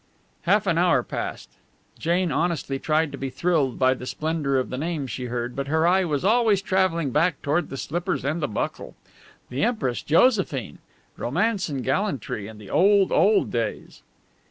Half an hour passed. Jane honestly tried to be thrilled by the splendour of the names she heard, but her eye was always travelling back toward the slippers and the buckle. The Empress Josephine! Romance and gallantry in the old, old days!